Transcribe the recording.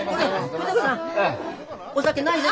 筆子さんお酒ないいな。